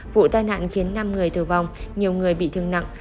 vụ tai nạn khiến năm người tử vong nhiều người bị thương nặng